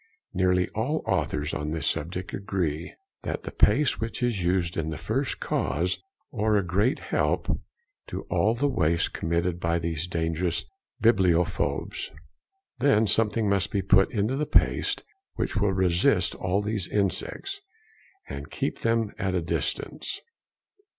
Nearly all authors on this subject agree that the paste which is used is the first cause, or a great help, to all the waste committed by these dangerous bibliophobes. Then something must be put into the paste which will resist all these insects and keep them at a distance.